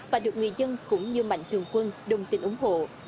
và được người dân cũng như mạnh thường quân đồng tin ủng hộ